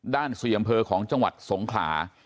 ด้านเสี่ยงอำเภอของจังหวัดสงขลา